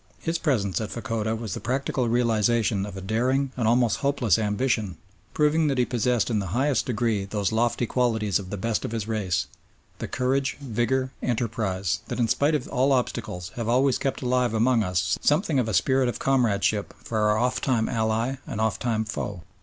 His presence at Fachoda was the practical realisation of a daring and almost hopeless ambition, proving that he possessed in the highest degree those lofty qualities of the best of his race, the courage, vigour, enterprise, that in spite of all obstacles have always kept alive among us something of a spirit of comradeship for our oft time ally and oft time foe.